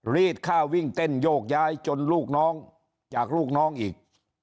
รีดค่าวิ่งเต้นโยกย้ายจนลูกน้องจากลูกน้องอีก